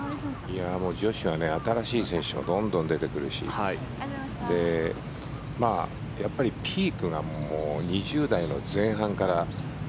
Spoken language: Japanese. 女子は新しい選手がどんどん出てくるしやっぱりピークが２０代の前半から。